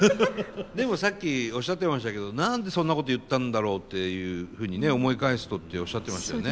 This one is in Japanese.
でもさっきおっしゃってましたけど何でそんなこと言ったんだろうっていうふうにね思い返すとっておっしゃってましたよね。